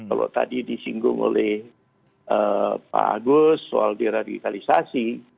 kalau tadi disinggung oleh pak agus soal deradikalisasi